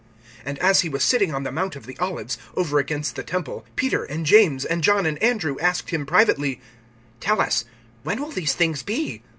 (3)And as he was sitting on the mount of the Olives, over against the temple, Peter and James and John and Andrew asked him privately: (4)Tell us, when will these things be?